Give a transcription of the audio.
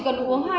không không không